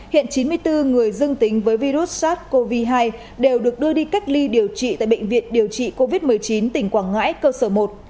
hiện chín mươi bốn người dương tính với virus sars cov hai đều được đưa đi cách ly điều trị tại bệnh viện điều trị covid một mươi chín tỉnh quảng ngãi cơ sở một